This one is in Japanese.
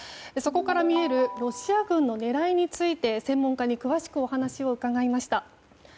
そこから見えるロシア軍の狙いについて専門家に詳しくお話を伺いました。